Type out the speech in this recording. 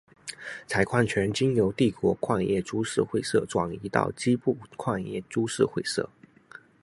采矿权经由帝国矿业株式会社转移到矶部矿业株式会社。